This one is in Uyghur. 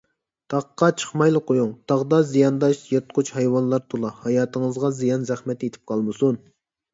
تاغقا چىقمايلا قويۇڭ، تاغدا زىيانداش يىرتقۇچ ھايۋانلار تولا، ھاياتىڭىزغا زىيان - زەخمەت يېتىپ قالمىسۇن.